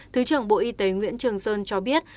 thứ trưởng bộ y tế nguyễn trường sơn cho biết